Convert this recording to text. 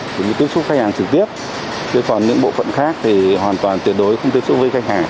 cũng như tiếp xúc khách hàng trực tiếp chứ còn những bộ phận khác thì hoàn toàn tuyệt đối không tiếp xúc với khách hàng